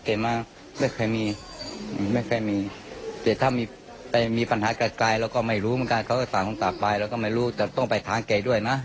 เขาแปลกโทรป้งจากไขลแล้วก็ไม่รู้เจต้องไปท้าเกดด้วยนะเจระตัดดูดลงทางได้